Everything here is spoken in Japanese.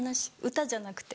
歌じゃなくて。